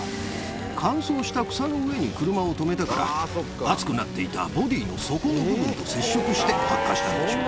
乾燥した草の上に車を止めたから、熱くなっていたボディーの底の部分と接触して、発火したんでしょう。